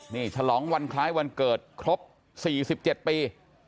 นี่ฉลองวันคล้ายวันเกิดครบ๔๗ปี